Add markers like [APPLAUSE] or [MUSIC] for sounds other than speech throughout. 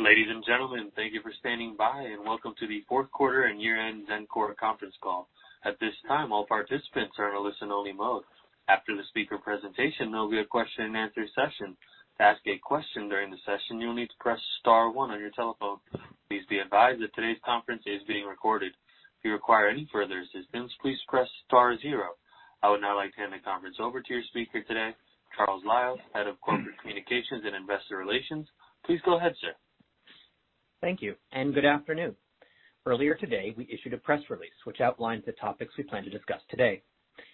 Ladies and gentlemen, thank you for standing by, and welcome to the fourth quarter and year-end Xencor conference call. At this time, all participants are in a listen-only mode. After the speaker presentation, there will be a question and answer session, to ask a question during the session you'll need to press star one on your telephone, please be advised that today's conferences is being recorded, if you require any further assistance please press star zero. I would now like to hand the conference over to your speaker today, Charles Liles, Head of Corporate Communications and Investor Relations. Please go ahead, sir. Thank you, good afternoon. Earlier today, we issued a press release which outlines the topics we plan to discuss today.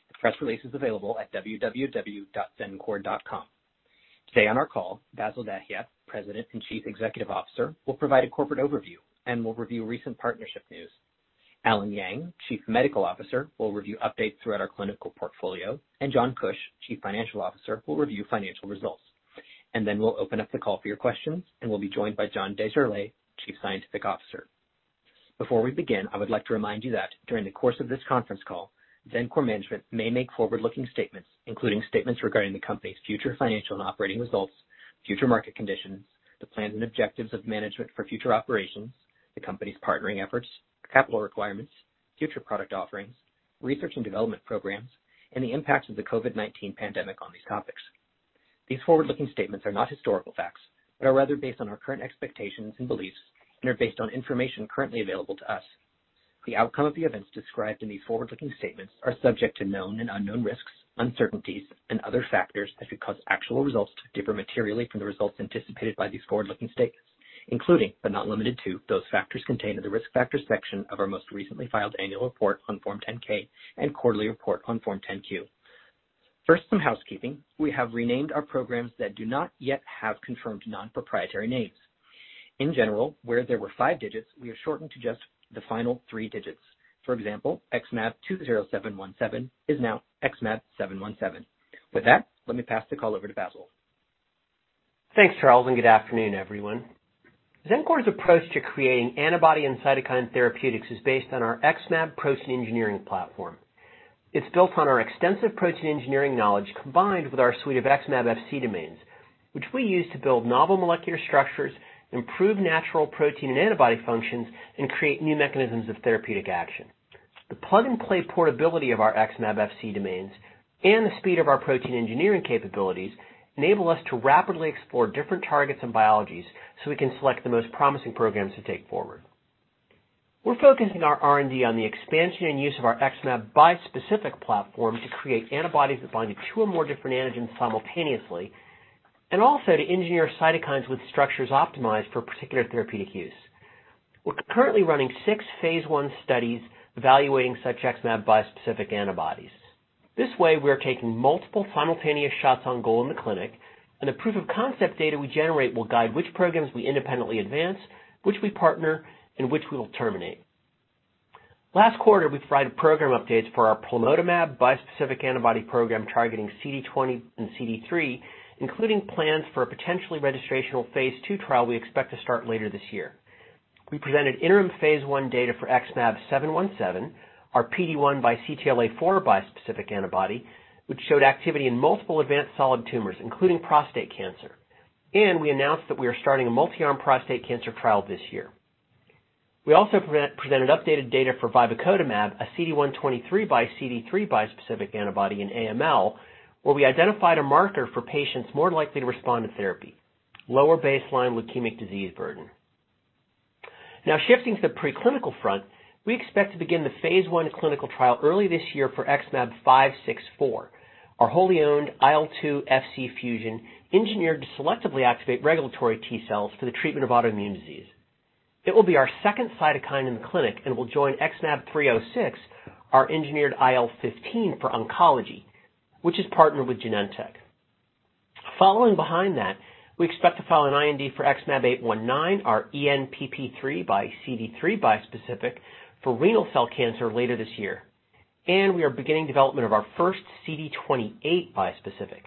The press release is available at www.xencor.com. Today on our call, Bassil Dahiyat, President and Chief Executive Officer, will provide a corporate overview and will review recent partnership news. Allen Yang, Chief Medical Officer, will review updates throughout our clinical portfolio. John Kuch, Chief Financial Officer, will review financial results. Then we'll open up the call for your questions and will be joined by John Desjarlais, Chief Scientific Officer. Before we begin, I would like to remind you that during the course of this conference call, Xencor management may make forward-looking statements, including statements regarding the company's future financial and operating results, future market conditions, the plans and objectives of management for future operations, the company's partnering efforts, capital requirements, future product offerings, research and development programs, and the impact of the COVID-19 pandemic on these topics. These forward-looking statements are not historical facts, but are rather based on our current expectations and beliefs and are based on information currently available to us. The outcome of the events described in these forward-looking statements are subject to known and unknown risks, uncertainties, and other factors that could cause actual results to differ materially from the results anticipated by these forward-looking statements, including, but not limited to, those factors contained in the Risk Factors section of our most recently filed annual report on Form 10-K and quarterly report on Form 10-Q. First, some housekeeping. We have renamed our programs that do not yet have confirmed non-proprietary names. In general, where there were five digits, we have shortened to just the final three digits. For example, XmAb20717 is now XmAb717. With that, let me pass the call over to Bassil. Thanks, Charles, good afternoon, everyone. Xencor's approach to creating antibody and cytokine therapeutics is based on our XmAb protein engineering platform. It's built on our extensive protein engineering knowledge, combined with our suite of XmAb Fc domains, which we use to build novel molecular structures, improve natural protein and antibody functions, and create new mechanisms of therapeutic action. The plug-and-play portability of our XmAb Fc domains and the speed of our protein engineering capabilities enable us to rapidly explore different targets and biologies so we can select the most promising programs to take forward. We're focusing our R&D on the expansion and use of our XmAb bispecific platform to create antibodies that bind to two or more different antigens simultaneously, and also to engineer cytokines with structures optimized for particular therapeutic use. We're currently running six phase I studies evaluating such XmAb bispecific antibodies. This way, we are taking multiple simultaneous shots on goal in the clinic, the proof of concept data we generate will guide which programs we independently advance, which we partner, and which we will terminate. Last quarter, we provided program updates for our plamotamab bispecific antibody program targeting CD20 and CD3, including plans for a potentially registrational phase II trial we expect to start later this year. We presented interim phase I data for XmAb717, our PD-1 by CTLA-4 bispecific antibody, which showed activity in multiple advanced solid tumors, including prostate cancer. We announced that we are starting a multi-arm prostate cancer trial this year. We also presented updated data for vibecotamab, a CD123 by CD3 bispecific antibody in AML, where we identified a marker for patients more likely to respond to therapy, lower baseline leukemic disease burden. Shifting to the preclinical front, we expect to begin the phase I clinical trial early this year for XmAb564, our wholly-owned IL-2 Fc fusion engineered to selectively activate regulatory T cells for the treatment of autoimmune disease. It will be our second cytokine in the clinic and will join XmAb306, our engineered IL-15 for oncology, which is partnered with Genentech. Following behind that, we expect to file an IND for XmAb819, our ENPP3 by CD3 bispecific for renal cell cancer later this year. We are beginning development of our first CD28 bispecific,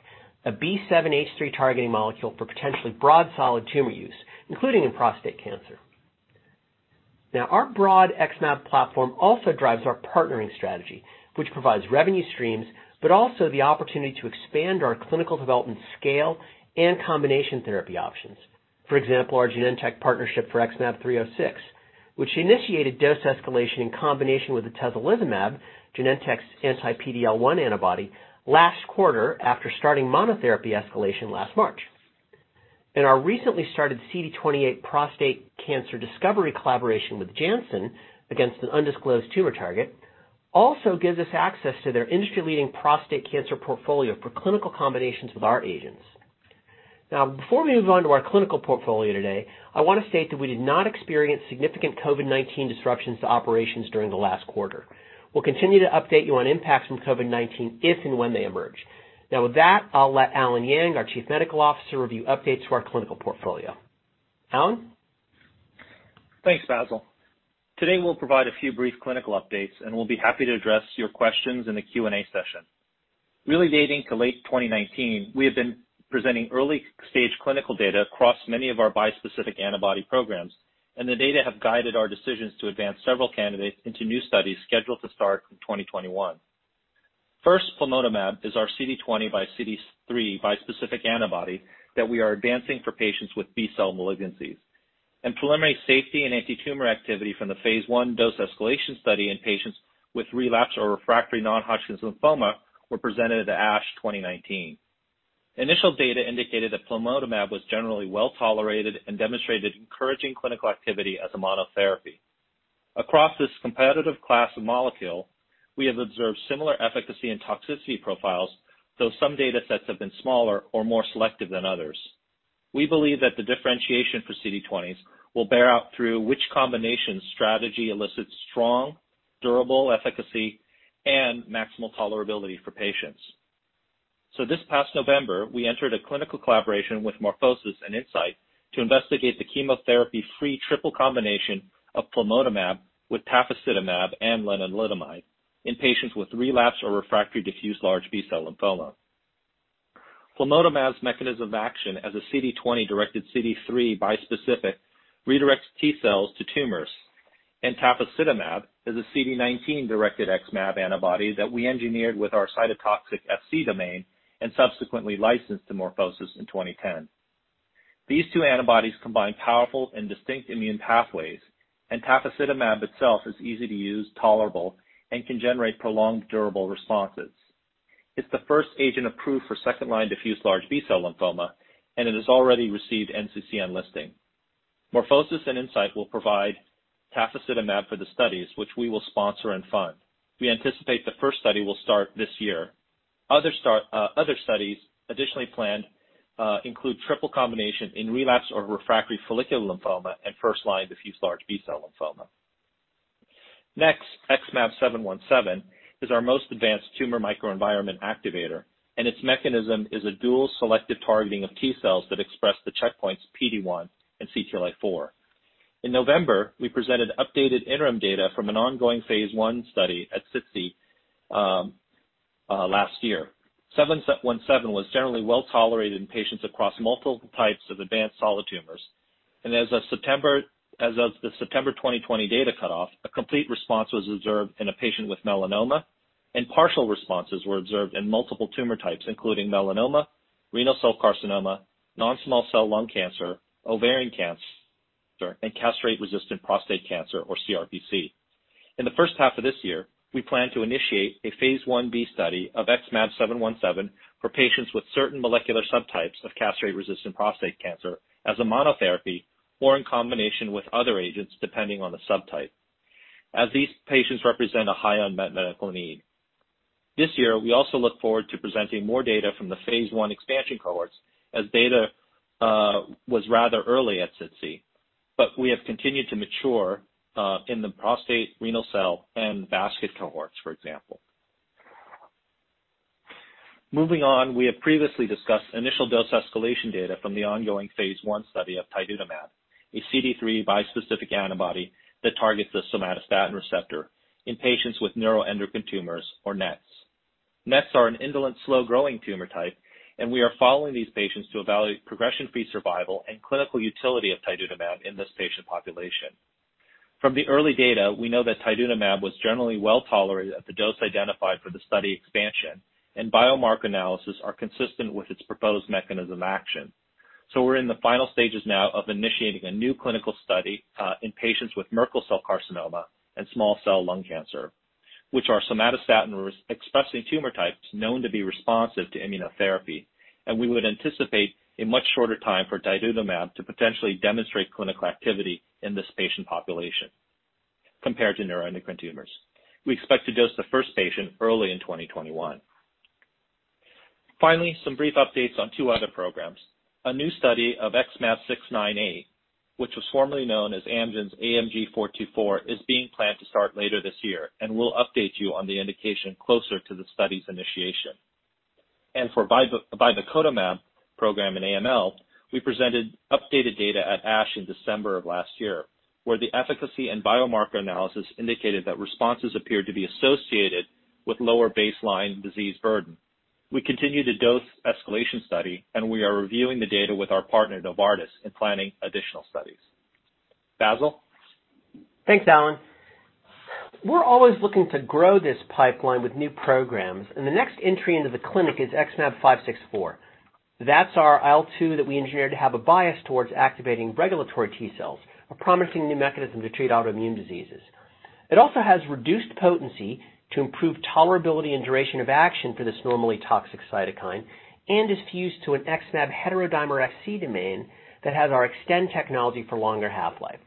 a B7-H3 targeting molecule for potentially broad solid tumor use, including in prostate cancer. Our broad XmAb platform also drives our partnering strategy, which provides revenue streams, but also the opportunity to expand our clinical development scale and combination therapy options. For example, our Genentech partnership for XmAb306, which initiated dose escalation in combination with atezolizumab, Genentech's anti-PD-L1 antibody, last quarter after starting monotherapy escalation last March. Our recently started CD28 prostate cancer discovery collaboration with Janssen against an undisclosed tumor target also gives us access to their industry-leading prostate cancer portfolio for clinical combinations with our agents. Before we move on to our clinical portfolio today, I want to state that we did not experience significant COVID-19 disruptions to operations during the last quarter. We'll continue to update you on impacts from COVID-19 if and when they emerge. With that, I'll let Allen Yang, our Chief Medical Officer, review updates to our clinical portfolio. Allen? Thanks, Bassil. Today, we'll provide a few brief clinical updates, and we'll be happy to address your questions in the Q&A session. Really dating to late 2019, we have been presenting early stage clinical data across many of our bispecific antibody programs, and the data have guided our decisions to advance several candidates into new studies scheduled to start in 2021. First, plamotamab is our CD20 by CD3 bispecific antibody that we are advancing for patients with B-cell malignancies. Preliminary safety and antitumor activity from the phase I dose escalation study in patients with relapsed or refractory non-Hodgkin's lymphoma were presented at ASH 2019. Initial data indicated that plamotamab was generally well-tolerated and demonstrated encouraging clinical activity as a monotherapy. Across this competitive class of molecule, we have observed similar efficacy and toxicity profiles, though some datasets have been smaller or more selective than others. We believe that the differentiation for CD20s will bear out through which combination strategy elicits strong, durable efficacy, and maximal tolerability for patients. This past November, we entered a clinical collaboration with MorphoSys and Incyte to investigate the chemotherapy-free triple combination of plamotamab with tafasitamab and lenalidomide in patients with relapse or refractory diffuse large B-cell lymphoma. Plamotamab's mechanism of action as a CD20-directed CD3 bispecific redirects T cells to tumors. Tafasitamab is a CD19-directed XmAb antibody that we engineered with our cytotoxic Fc domain and subsequently licensed to MorphoSys in 2010. These two antibodies combine powerful and distinct immune pathways. Tafasitamab itself is easy to use, tolerable, and can generate prolonged durable responses. It's the first agent approved for second-line diffuse large B-cell lymphoma. It has already received NCCN listing. MorphoSys and Incyte will provide tafasitamab for the studies, which we will sponsor and fund. We anticipate the first study will start this year. Other studies additionally planned include triple combination in relapse or refractory follicular lymphoma and first-line diffuse large B-cell lymphoma. Next, XmAb717 is our most advanced tumor microenvironment activator. Its mechanism is a dual selective targeting of T cells that express the checkpoints PD-1 and CTLA-4. In November, we presented updated interim data from an ongoing phase I study at SITC last year. 717 was generally well-tolerated in patients across multiple types of advanced solid tumors. As of the September 2020 data cutoff, a complete response was observed in a patient with melanoma, and partial responses were observed in multiple tumor types, including melanoma, renal cell carcinoma, non-small cell lung cancer, ovarian cancer, and castrate-resistant prostate cancer, or CRPC. In the first half of this year, we plan to initiate a phase I-B study of XmAb717 for patients with certain molecular subtypes of castrate-resistant prostate cancer as a monotherapy or in combination with other agents, depending on the subtype, as these patients represent a high unmet medical need. This year, we also look forward to presenting more data from the phase I expansion cohorts as data was rather early at SITC. We have continued to mature in the prostate, renal cell, and basket cohorts, for example. Moving on, we have previously discussed initial dose escalation data from the ongoing phase I study of tidutamab, a CD3 bispecific antibody that targets the somatostatin receptor in patients with neuroendocrine tumors, or NETs. NETs are an indolent slow-growing tumor type, and we are following these patients to evaluate progression-free survival and clinical utility of tidutamab in this patient population. From the early data, we know that tidutamab was generally well-tolerated at the dose identified for the study expansion, and biomarker analysis are consistent with its proposed mechanism of action. We're in the final stages now of initiating a new clinical study in patients with Merkel cell carcinoma and small cell lung cancer, which are somatostatin expressing tumor types known to be responsive to immunotherapy, and we would anticipate a much shorter time for tidutamab to potentially demonstrate clinical activity in this patient population compared to neuroendocrine tumors. We expect to dose the first patient early in 2021. Finally, some brief updates on two other programs. A new study of XmAb698, which was formerly known as Amgen's AMG 424, is being planned to start later this year, and we'll update you on the indication closer to the study's initiation. For vibecotamab program in AML, we presented updated data at ASH in December of last year, where the efficacy and biomarker analysis indicated that responses appeared to be associated with lower baseline disease burden. We continue the dose escalation study, we are reviewing the data with our partner, Novartis, and planning additional studies. Bassil? Thanks, Allen. We're always looking to grow this pipeline with new programs, and the next entry into the clinic is XmAb564. That's our IL-2 that we engineered to have a bias towards activating regulatory T cells, a promising new mechanism to treat autoimmune diseases. It also has reduced potency to improve tolerability and duration of action for this normally toxic cytokine and is fused to an XmAb heterodimer Fc domain that has our Xtend technology for longer half-life.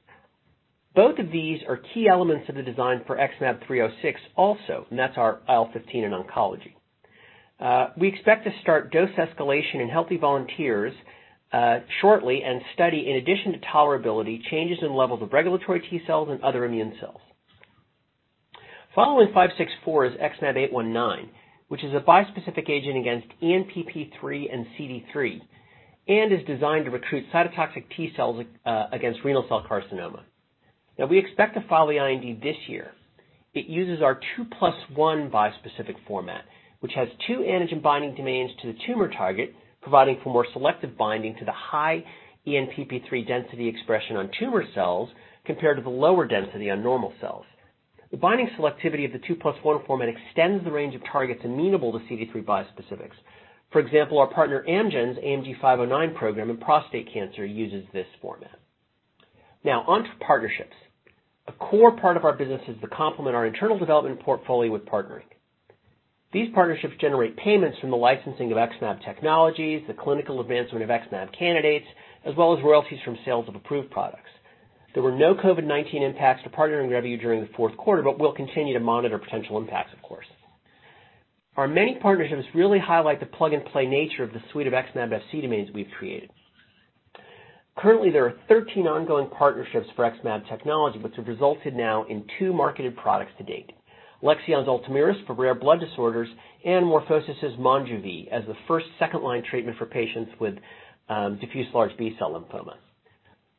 Both of these are key elements of the design for XmAb306 also, and that's our IL-15 in oncology. We expect to start dose escalation in healthy volunteers shortly and study, in addition to tolerability, changes in levels of regulatory T cells and other immune cells. Following 564 is XmAb819, which is a bispecific agent against ENPP3 and CD3 and is designed to recruit cytotoxic T cells against renal cell carcinoma. We expect to file the IND this year. It uses our 2 + 1 bispecific format, which has two antigen binding domains to the tumor target, providing for more selective binding to the high ENPP3 density expression on tumor cells compared to the lower density on normal cells. The binding selectivity of the 2 + 1 format extends the range of targets amenable to CD3 bispecifics. For example, our partner Amgen's AMG 509 program in prostate cancer uses this format. On to partnerships. A core part of our business is to complement our internal development portfolio with partnering. These partnerships generate payments from the licensing of XmAb technologies, the clinical advancement of XmAb candidates, as well as royalties from sales of approved products. There were no COVID-19 impacts to partnering revenue during the fourth quarter, we'll continue to monitor potential impacts, of course. Our many partnerships really highlight the plug-and-play nature of the suite of XmAb Fc domains we've created. Currently, there are 13 ongoing partnerships for XmAb technology, which have resulted now in two marketed products to date. Alexion's ULTOMIRIS for rare blood disorders and MorphoSys' MONJUVI as the first second-line treatment for patients with diffuse large B-cell lymphoma.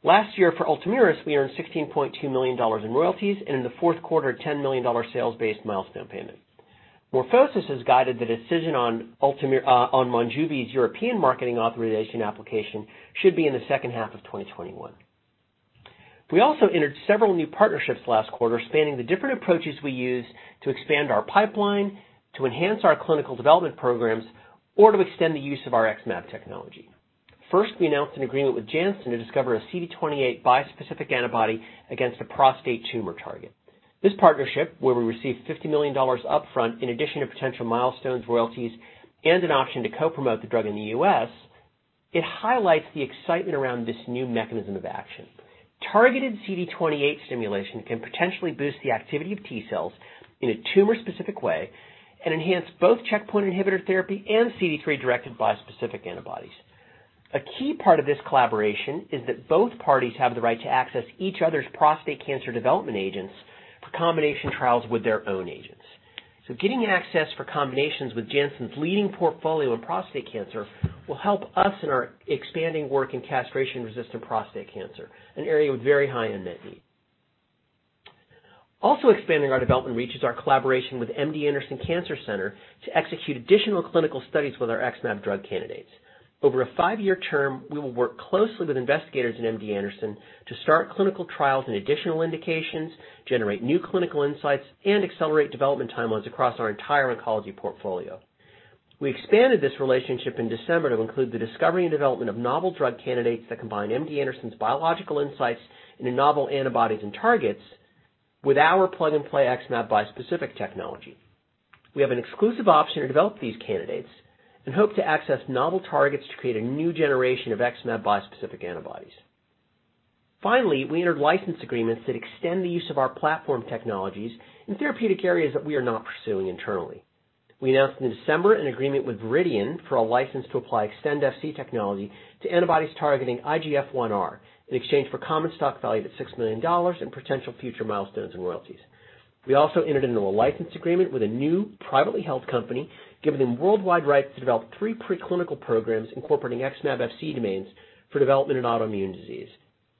Last year, for ULTOMIRIS, we earned $16.2 million in royalties, and in the fourth quarter, a $10 million sales-based milestone payment. MorphoSys has guided the decision on MONJUVI's European Marketing Authorisation Application should be in the second half of 2021. We also entered several new partnerships last quarter, spanning the different approaches we use to expand our pipeline, to enhance our clinical development programs, or to extend the use of our XmAb technology. First, we announced an agreement with Janssen to discover a CD28 bispecific antibody against a prostate tumor target. This partnership, where we received $50 million upfront in addition to potential milestones, royalties, and an option to co-promote the drug in the U.S., it highlights the excitement around this new mechanism of action. Targeted CD28 stimulation can potentially boost the activity of T cells in a tumor-specific way and enhance both checkpoint inhibitor therapy and CD3-directed bispecific antibodies. A key part of this collaboration is that both parties have the right to access each other's prostate cancer development agents for combination trials with their own agents. Getting access for combinations with Janssen's leading portfolio in prostate cancer will help us in our expanding work in castration-resistant prostate cancer, an area with very high unmet need. Also expanding our development reach is our collaboration with MD Anderson Cancer Center to execute additional clinical studies with our XmAb drug candidates. Over a five-year term, we will work closely with investigators in MD Anderson to start clinical trials in additional indications, generate new clinical insights, and accelerate development timelines across our entire oncology portfolio. We expanded this relationship in December to include the discovery and development of novel drug candidates that combine MD Anderson's biological insights into novel antibodies and targets with our plug-and-play XmAb bispecific technology. We have an exclusive option to develop these candidates and hope to access novel targets to create a new generation of XmAb bispecific antibodies. We entered license agreements that extend the use of our platform technologies in therapeutic areas that we are not pursuing internally. We announced in December an agreement with Viridian for a license to apply Xtend Fc technology to antibodies targeting IGF-1R in exchange for common stock valued at $6 million and potential future milestones and royalties. We also entered into a license agreement with a new privately held company, giving them worldwide rights to develop three preclinical programs incorporating XmAb Fc domains for development in autoimmune disease.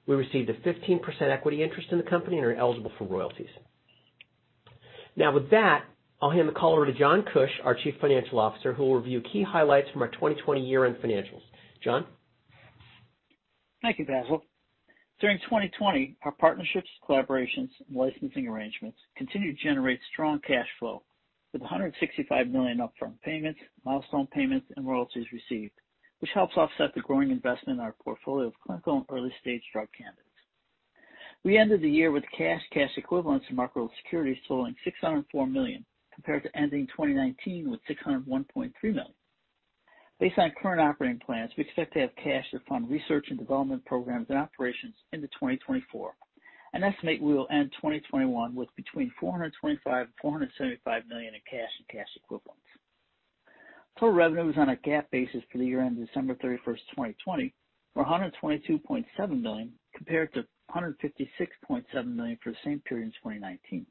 We received a 15% equity interest in the company and are eligible for royalties. With that, I'll hand the call over to John Kuch, our Chief Financial Officer, who will review key highlights from our 2020 year-end financials. John? Thank you, Bassil. During 2020, our partnerships, collaborations, and licensing arrangements continued to generate strong cash flow with $165 million in upfront payments, milestone payments, and royalties received, which helps offset the growing investment in our portfolio of clinical and early-stage drug candidates. We ended the year with cash equivalents, and marketable securities totaling $604 million, compared to ending 2019 with $601.3 million. Based on current operating plans, we expect to have cash to fund research and development programs and operations into 2024 and estimate we will end 2021 with between $425 million and $475 million in cash and cash equivalents. Total revenue was on a GAAP basis for the year end December 31st, 2020, for $122.7 million, compared to $156.7 million for the same period in 2019.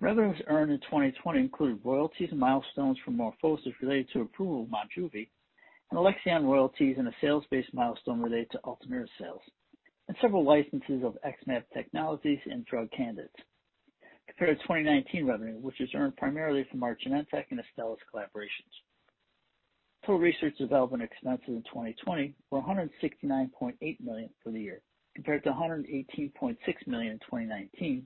Revenues earned in 2020 included royalties and milestones from MorphoSys related to approval of MONJUVI and Alexion royalties and a sales-based milestone related to ULTOMIRIS sales and several licenses of XmAb technologies and drug candidates, compared to 2019 revenue, which was earned primarily from our Genentech and Astellas collaborations. Total research and development expenses in 2020 were $169.8 million for the year, compared to $118.6 million in 2019,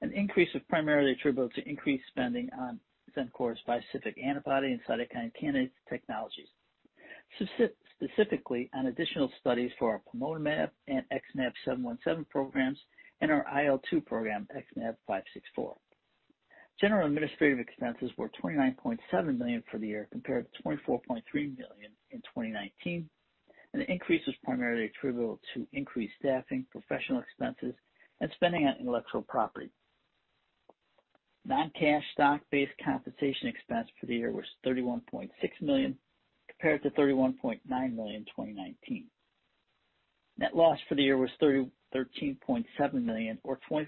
an increase that was primarily attributable to increased spending on Xencor's bispecific antibody and cytokine candidate technologies, specifically on additional studies for our plamotamab and XmAb717 programs and our IL-2 program, XmAb564. General administrative expenses were $29.7 million for the year, compared to $24.3 million in 2019. The increase was primarily attributable to increased staffing, professional expenses, and spending on intellectual property. Non-cash stock-based compensation expense for the year was $31.6 million, compared to $31.9 million in 2019. Net loss for the year was $13.7 million or $0.24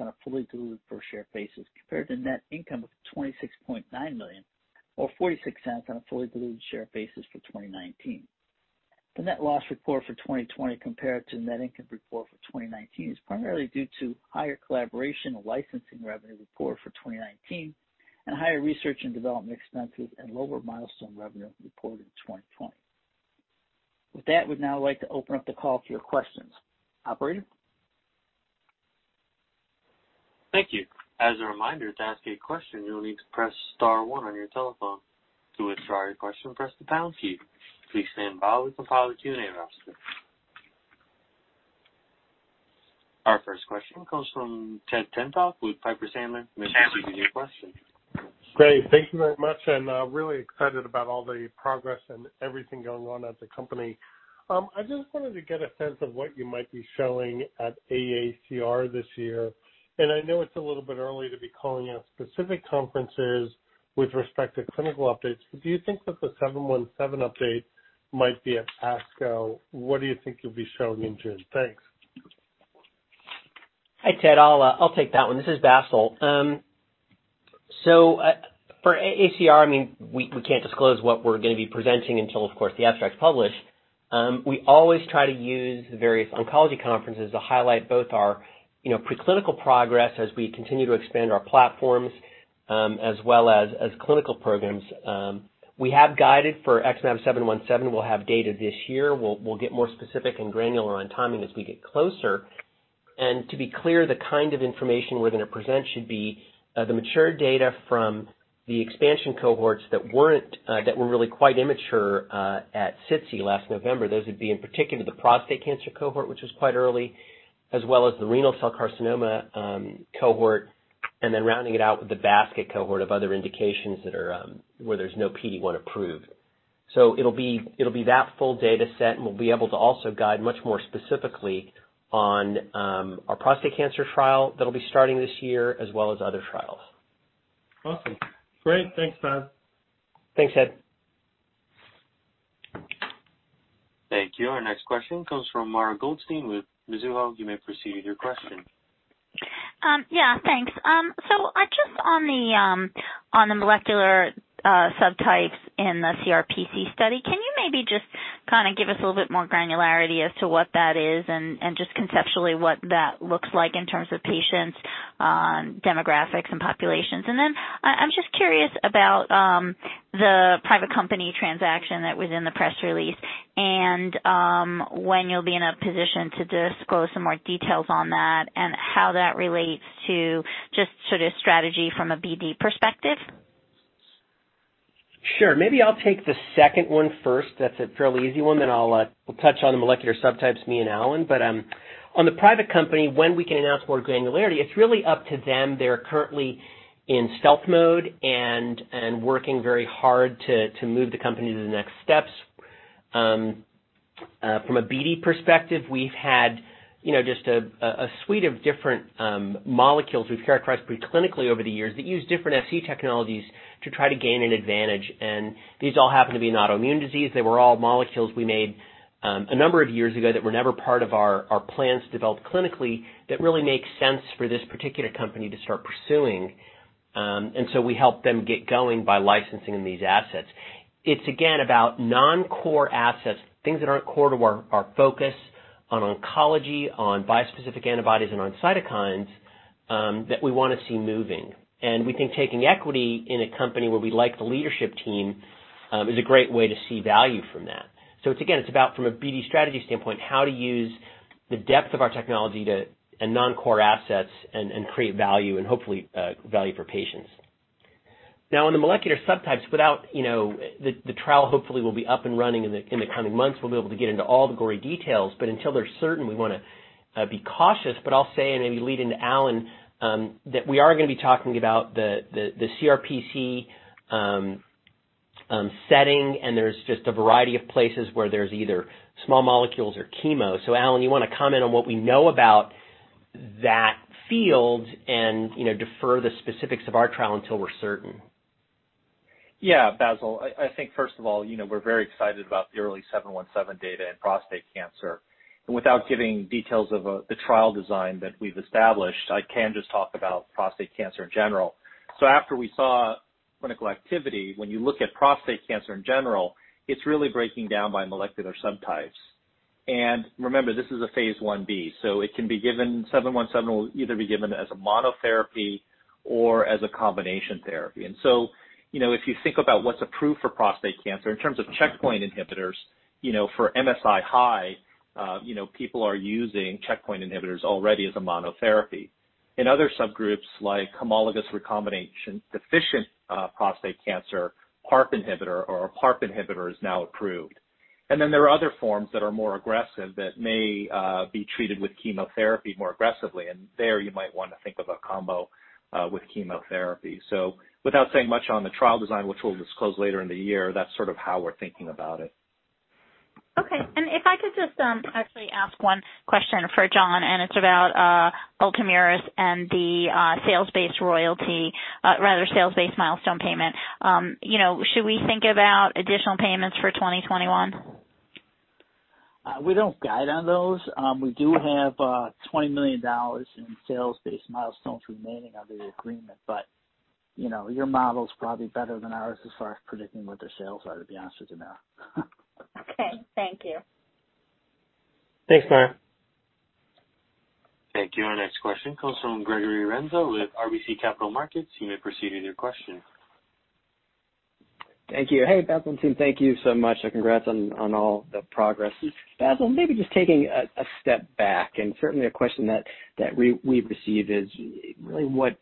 on a fully diluted per share basis, compared to net income of $26.9 million or $0.46 on a fully diluted share basis for 2019. The net loss report for 2020 compared to the net income report for 2019 is primarily due to higher collaboration and licensing revenue reported for 2019 and higher research and development expenses and lower milestone revenue reported in 2020. With that, we'd now like to open up the call to your questions. Operator? Thank you. Our first question comes from Ted Tenthoff with Piper Sandler. You [AUDIO DISTORTION] with your question. Great. Thank you very much, and really excited about all the progress and everything going on at the company. I just wanted to get a sense of what you might be showing at AACR this year, and I know it's a little bit early to be calling out specific conferences with respect to clinical updates, but do you think that the 717 update might be at ASCO? What do you think you'll be showing in June? Thanks. Hi, Ted. I'll take that one. This is Bassil. For AACR, we can't disclose what we're going to be presenting until, of course, the abstract's published. We always try to use various oncology conferences to highlight both our preclinical progress as we continue to expand our platforms, as well as clinical programs. We have guided for XmAb717 will have data this year. We'll get more specific and granular on timing as we get closer. To be clear, the kind of information we're going to present should be the mature data from the expansion cohorts that were really quite immature at SITC last November. Those would be in particular the prostate cancer cohort, which was quite early, as well as the renal cell carcinoma cohort, and then rounding it out with the basket cohort of other indications where there's no PD-1 approved. It'll be that full data set, and we'll be able to also guide much more specifically on our prostate cancer trial that'll be starting this year, as well as other trials. Awesome. Great. Thanks, Bas. Thanks, Ted. Thank you. Our next question comes from Mara Goldstein with Mizuho. You may proceed with your question. Yeah, thanks. Just on the molecular subtypes in the CRPC study, can you maybe just give us a little bit more granularity as to what that is and just conceptually what that looks like in terms of patients on demographics and populations? Then I'm just curious about the private company transaction that was in the press release and when you'll be in a position to disclose some more details on that and how that relates to just sort of strategy from a BD perspective. Sure, maybe I'll take the second one first. That's a fairly easy one. I'll touch on the molecular subtypes, me and Allen. On the private company, when we can announce more granularity, it's really up to them. They're currently in stealth mode and working very hard to move the company to the next steps. From a BD perspective, we've had just a suite of different molecules we've characterized pre-clinically over the years that use different Fc technologies to try to gain an advantage. These all happen to be an autoimmune disease. They were all molecules we made a number of years ago that were never part of our plans developed clinically that really make sense for this particular company to start pursuing. We help them get going by licensing these assets. It's again about non-core assets, things that aren't core to our focus on oncology, on bispecific antibodies, and on cytokines, that we want to see moving. We think taking equity in a company where we like the leadership team is a great way to see value from that. It's again, it's about from a BD strategy standpoint, how to use the depth of our technology to non-core assets and create value and hopefully value for patients. On the molecular subtypes, the trial hopefully will be up and running in the coming months. We'll be able to get into all the gory details, but until they're certain, we want to be cautious, but I'll say, and maybe lead into Allen, that we are going to be talking about the CRPC setting, and there's just a variety of places where there's either small molecules or chemo. Allen, you want to comment on what we know about that field and defer the specifics of our trial until we're certain? Yeah. Bassil, I think first of all, we're very excited about the early 717 data in prostate cancer. Without giving details of the trial design that we've established, I can just talk about prostate cancer in general. After we saw clinical activity, when you look at prostate cancer in general, it's really breaking down by molecular subtypes. Remember, this is a phase I-B, so 717 will either be given as a monotherapy or as a combination therapy. If you think about what's approved for prostate cancer in terms of checkpoint inhibitors, for MSI-high people are using checkpoint inhibitors already as a monotherapy. In other subgroups like homologous recombination deficient prostate cancer, PARP inhibitor is now approved. There are other forms that are more aggressive that may be treated with chemotherapy more aggressively, and there you might want to think of a combo with chemotherapy. Without saying much on the trial design, which we'll disclose later in the year, that's sort of how we're thinking about it. Okay. If I could just actually ask one question for John, and it's about ULTOMIRIS and the sales-based royalty, rather sales-based milestone payment. Should we think about additional payments for 2021? We don't guide on those. We do have $20 million in sales-based milestones remaining under the agreement, your model's probably better than ours as far as predicting what their sales are, to be honest with you now. Okay. Thank you. Thanks, Mara. Thank you. Our next question comes from Gregory Renza with RBC Capital Markets. You may proceed with your question. Thank you. Hey, Bassil and team, thank you so much and congrats on all the progress. Bassil, maybe just taking a step back, and certainly a question that we've received is really what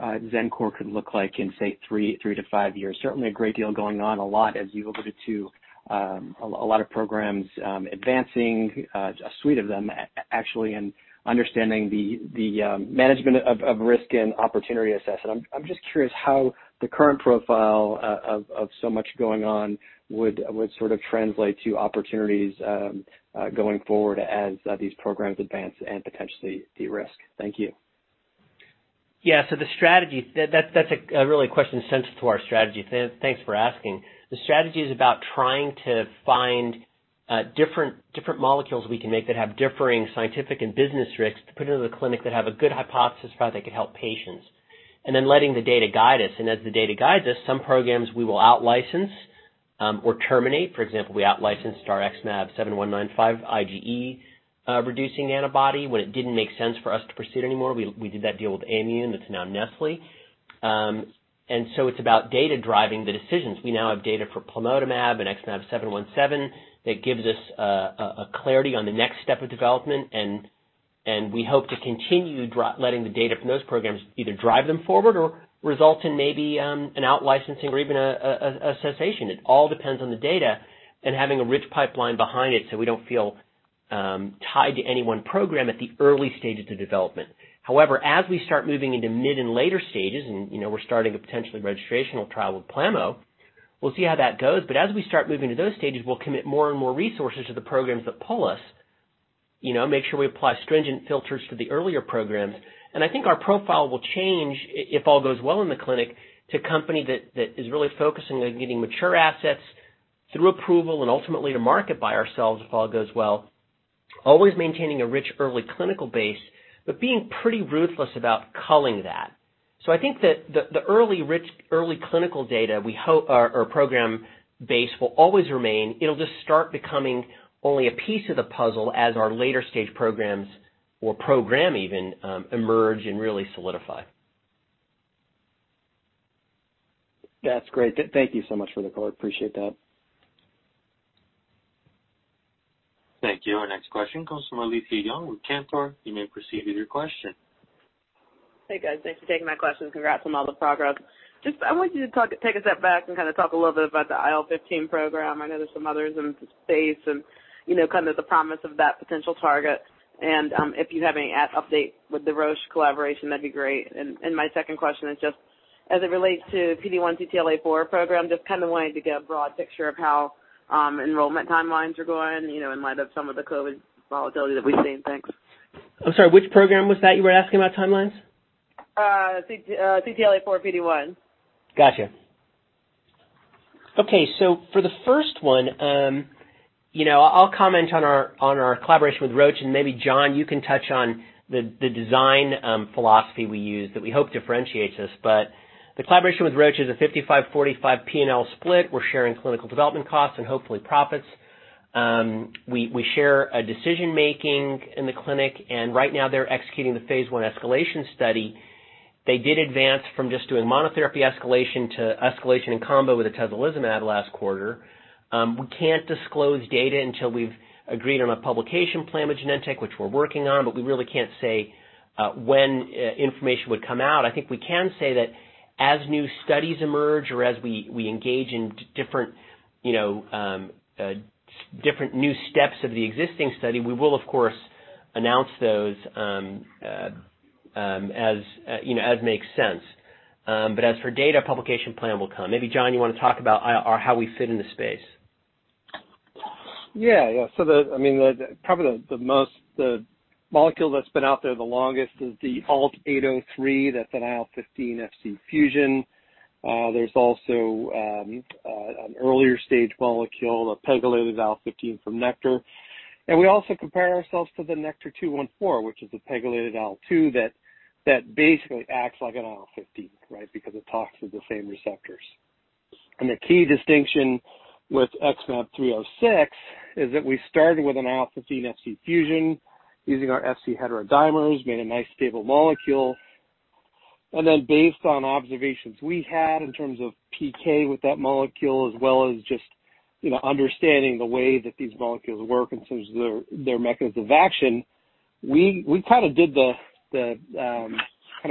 Xencor could look like in say three to five years. Certainly a great deal going on, a lot, as you alluded to, a lot of programs advancing, a suite of them actually, and understanding the management of risk and opportunity assessment. I'm just curious how the current profile of so much going on would sort of translate to opportunities going forward as these programs advance and potentially de-risk. Thank you. The strategy, that's really a question central to our strategy. Thanks for asking. The strategy is about trying to find different molecules we can make that have differing scientific and business risks to put into the clinic that have a good hypothesis for how they could help patients, then letting the data guide us. As the data guides us, some programs we will out-license or terminate. For example, we out-licensed our XmAb7195 IgE reducing antibody when it didn't make sense for us to proceed anymore. We did that deal with Aimmune, it's now Nestlé. It's about data driving the decisions. We now have data for plamotamab and XmAb717 that gives us a clarity on the next step of development, and we hope to continue letting the data from those programs either drive them forward or result in maybe an out-licensing or even a cessation. It all depends on the data and having a rich pipeline behind it so we don't feel tied to any one program at the early stages of development. However, as we start moving into mid and later stages and we're starting a potentially registrational trial with plamo, we'll see how that goes. But as we start moving to those stages, we'll commit more and more resources to the programs that pull us, make sure we apply stringent filters to the earlier programs. I think our profile will change, if all goes well in the clinic, to a company that is really focusing on getting mature assets through approval and ultimately to market by ourselves if all goes well, always maintaining a rich early clinical base, but being pretty ruthless about culling that. I think that the early rich early clinical data or program base will always remain. It'll just start becoming only a piece of the puzzle as our later-stage programs or program even, emerge and really solidify. That's great. Thank you so much for the call. Appreciate that. Thank you. Our next question comes from Alethia Young with Cantor. You may proceed with your question. Hey, guys. Thanks for taking my questions. Congrats on all the progress. I want you to take a step back and kind of talk a little bit about the IL-15 program. I know there's some others in the space and kind of the promise of that potential target. If you have any update with the Roche collaboration, that'd be great. My second question is just as it relates to PD-1 CTLA-4 program, just kind of wanted to get a broad picture of how enrollment timelines are going in light of some of the COVID volatility that we've seen. Thanks. I'm sorry, which program was that you were asking about timelines? CTLA-4 PD-1. Got you. For the first one, I'll comment on our collaboration with Roche, and maybe John, you can touch on the design philosophy we use that we hope differentiates us. The collaboration with Roche is a 55/45 P&L split. We're sharing clinical development costs and hopefully profits. We share decision-making in the clinic, and right now they're executing the phase I escalation study. They did advance from just doing monotherapy escalation to escalation in combo with atezolizumab last quarter. We can't disclose data until we've agreed on a publication plan with Genentech, which we're working on, but we really can't say when information would come out. I think we can say that as new studies emerge or as we engage in different new steps of the existing study, we will, of course, announce those as makes sense. As for data, publication plan will come. Maybe, John, you want to talk about how we fit in the space. Probably the molecule that's been out there the longest is the ALT-803. That's an IL-15 Fc fusion. There's also an earlier-stage molecule, a pegylated IL-15 from Nektar. We also compare ourselves to the NKTR-214, which is a pegylated IL-2 that basically acts like an IL-15, right? Because it talks through the same receptors. The key distinction with XmAb306 is that we started with an IL-15 Fc fusion using our Fc heterodimers, made a nice stable molecule, and then based on observations we had in terms of PK with that molecule, as well as just understanding the way that these molecules work in terms of their mechanism of action, we kind of did the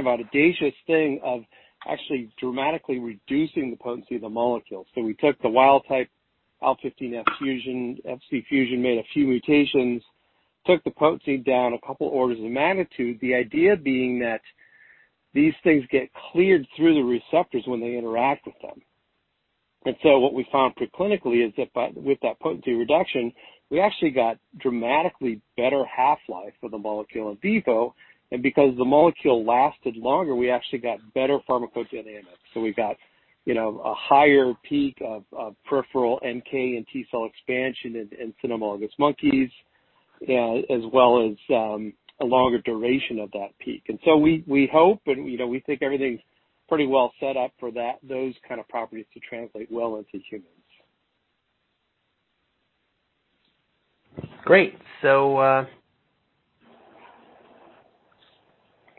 audacious thing of actually dramatically reducing the potency of the molecule. We took the wild type IL-15 Fc fusion, made a few mutations, took the potency down a couple orders of magnitude. The idea being that these things get cleared through the receptors when they interact with them. What we found pre-clinically is that with that potency reduction, we actually got dramatically better half-life for the molecule in vivo. Because the molecule lasted longer, we actually got better pharmacodynamics. We got a higher peak of peripheral NK and T cell expansion in cynomolgus monkeys, as well as a longer duration of that peak. We hope and we think everything's pretty well set up for those kind of properties to translate well into humans. Great. Next question.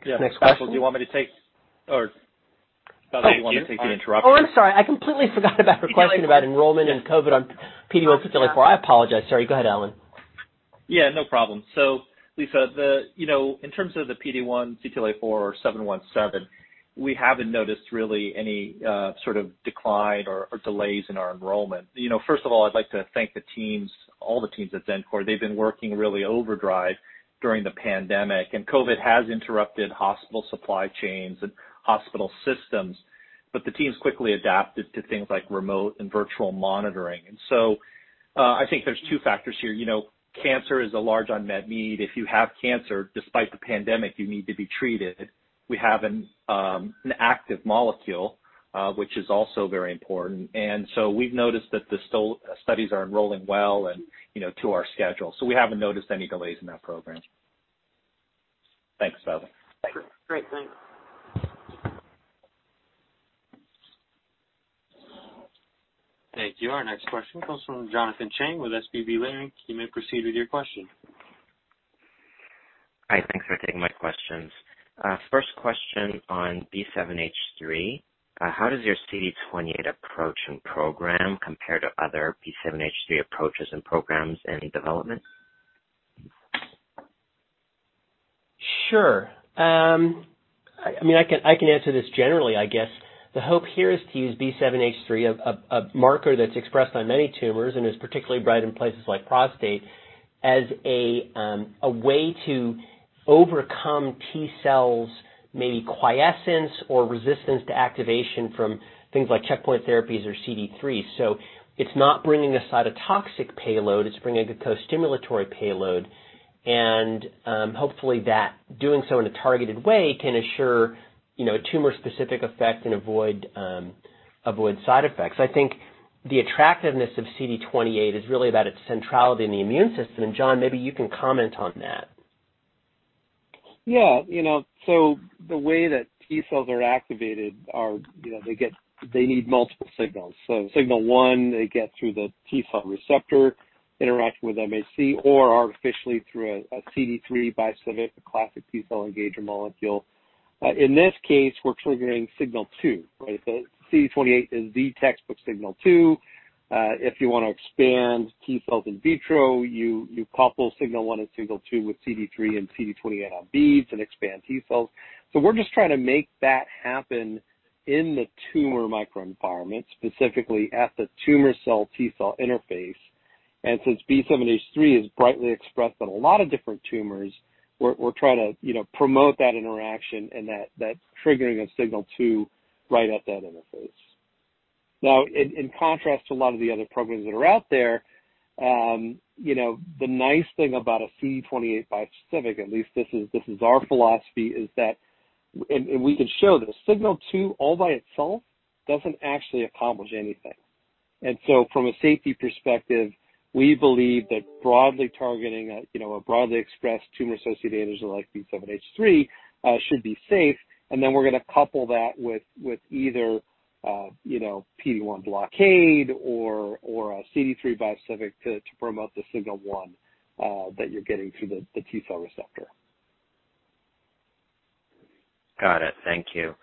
Yeah. Bassil, do you want me to take the interruption? Oh, I'm sorry. I completely forgot about her question about enrollment and COVID on. [AUDIO DISTORTION] I apologize. Sorry. Go ahead, Allen. No problem. Lisa, in terms of the PD-1, CTLA-4, or 717, we haven't noticed really any sort of decline or delays in our enrollment. First of all, I'd like to thank all the teams at Xencor. They've been working really overdrive during the pandemic, and COVID has interrupted hospital supply chains and hospital systems, but the teams quickly adapted to things like remote and virtual monitoring. I think there's two factors here. Cancer is a large unmet need. If you have cancer, despite the pandemic, you need to be treated. We have an active molecule, which is also very important. We've noticed that the studies are enrolling well and to our schedule. We haven't noticed any delays in that program. [AUDIO DISTORTION] Great. Thanks. Thank you. Our next question comes from Jonathan Chang with SVB Leerink. You may proceed with your question. Hi. Thanks for taking my questions. First question on B7-H3, how does your CD28 approach and program compare to other B7H3 approaches and programs in development? Sure. I can answer this generally, I guess. The hope here is to use B7-H3, a marker that's expressed on many tumors and is particularly bright in places like prostate, as a way to overcome T cells, maybe quiescence or resistance to activation from things like checkpoint therapies or CD3. It's not bringing a cytotoxic payload, it's bringing a good co-stimulatory payload. Hopefully that doing so in a targeted way can assure a tumor-specific effect and avoid side effects. I think the attractiveness of CD28 is really about its centrality in the immune system, and John, maybe you can comment on that. Yeah. The way that T cells are activated are, they need multiple signals. Signal one, they get through the T cell receptor, interacting with MHC or artificially through a CD3 bispecific, a classic T cell engager molecule. In this case, we're triggering signal two, right? CD28 is the textbook signal two. If you want to expand T cells in vitro, you couple signal one and signal two with CD3 and CD28 on [AUDIO DISTORTION] and expand T cells. We're just trying to make that happen in the tumor microenvironment, specifically at the tumor cell T cell interface. Since B7-H3 is brightly expressed on a lot of different tumors, we're trying to promote that interaction and that triggering of signal two right at that interface. In contrast to a lot of the other programs that are out there, the nice thing about a CD28 bispecific, at least this is our philosophy, is that, and we can show this, signal two all by itself doesn't actually accomplish anything. From a safety perspective, we believe that broadly targeting a broadly expressed tumor-associated antigen like B7-H3 should be safe, and then we're going to couple that with either PD-1 blockade or a CD3 bispecific to promote the signal one that you're getting through the T cell receptor. Got it. Thank you.